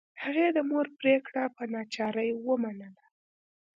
هغې د مور پریکړه په ناچارۍ ومنله